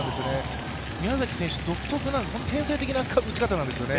宮崎選手独特なんです、本当に天才的な打ち方なんです。